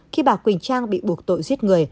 khi bà quỳnh trang bị buộc tội giết người